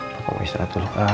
papa mau istirahat dulu